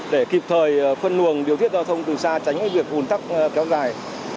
để kịp thời phân luồng điều tiết giao thông từ xa tránh việc ủn tắc kéo dài